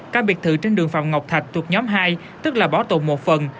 các biệt thự trên đường phạm ngọc thạch thuộc nhóm hai tức là bảo tồn một phần